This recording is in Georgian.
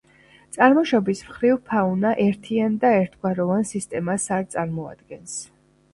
წარმოშობის მხრივ, ფაუნა ერთიან და ერთგვაროვან სისტემას არ წარმოადგენს.